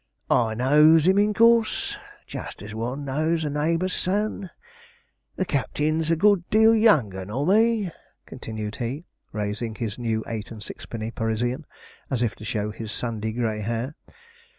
I knows him, in course, just as one knows a neighbour's son. The captin's a good deal younger nor me,' continued he, raising his new eight and sixpenny Parisian, as if to show his sandy grey hair.